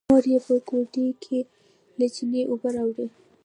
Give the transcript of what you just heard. مور يې په ګوډي کې له چينې اوبه راوړې.